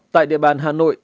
tại địa bàn hà nội